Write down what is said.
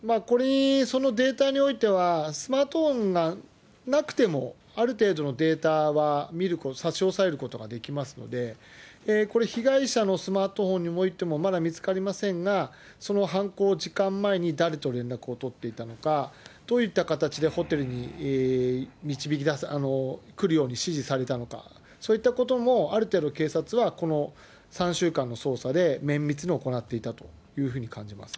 そのデータにおいては、スマートフォンがなくても、ある程度のデータは見ること、差し押さえることができますので、これ、被害者のスマートフォンにおいても、まだ見つかりませんが、その犯行時間前に誰と連絡を取っていたのか、どういった形でホテルに来るように指示されたのか、そういったことも、ある程度、警察はこの３週間の捜査で綿密に行っていたというふうに感じます